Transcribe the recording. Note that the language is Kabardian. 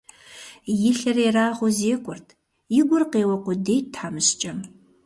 И лъыр ерагъыу зекӀуэрт, и гур къеуэ къудейт тхьэмыщкӀэм.